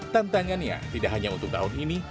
tantangannya tidak hanya untuk tahun ini